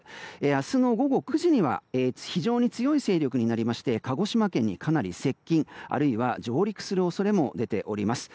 明日の午後９時には非常に強い勢力になりまして鹿児島県にかなり接近、あるいは上陸する恐れもあります。